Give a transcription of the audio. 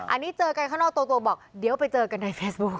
อันนี้เจอกันข้างนอกตัวบอกเดี๋ยวไปเจอกันในเฟซบุ๊ค